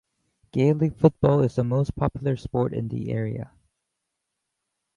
Gaelic football is the most popular sport in the area.